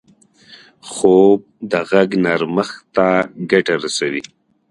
خوب د غږ نرمښت ته ګټه رسوي